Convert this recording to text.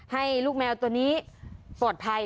ให้ลูกแมวตัวนี้ปลอดภัย